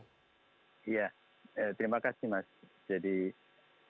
apa yang bisa kita pahami dari situasi ini